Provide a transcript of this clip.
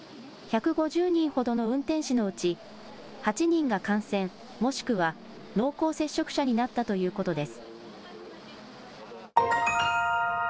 １５０人ほどの運転士のうち、８人が感染、もしくは濃厚接触者になったということです。